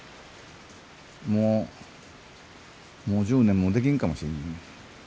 もうもう１０年もできんかもしんないね。